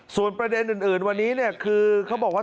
ส่วนประเด็นอื่นวันนี้เนี่ยคือเขาบอกว่า